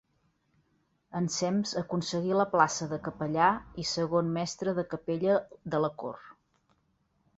Ensems aconseguí la plaça de capellà i segon mestre de capella de la cort.